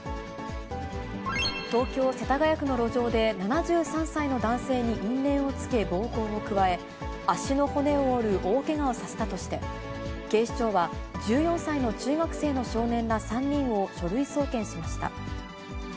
東京・世田谷区の路上で７３歳の男性に因縁をつけ暴行を加え、足の骨を折る大けがをさせたとして、警視庁は１４歳の中学生の少年ら３人を書類送検しました。